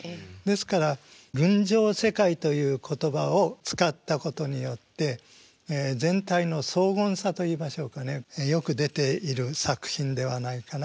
ですから「群青世界」という言葉を使ったことによって全体の荘厳さといいましょうかねよく出ている作品ではないかなと思いますね。